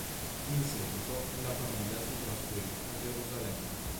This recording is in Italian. In seguito la famiglia si trasferì a Gerusalemme.